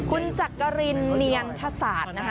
คุณจักรินเนียนทศาสตร์นะคะ